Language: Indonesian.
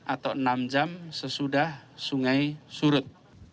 atau enam jam sesudah sungai surut